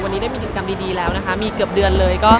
วันนี้ได้มีกิจกรรมดีแล้วนะคะมีเกือบเดือนเลย